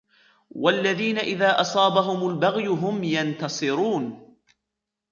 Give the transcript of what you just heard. وَالَّذِينَ إِذَا أَصَابَهُمُ الْبَغْيُ هُمْ يَنْتَصِرُونَ